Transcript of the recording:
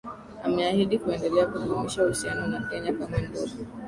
Ameahidi kuendelea kudumisha uhusiano na Kenya kama ndugu